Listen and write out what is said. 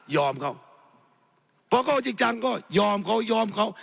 เขาพอเขาจริงจังก็ยอมเขายอมเขา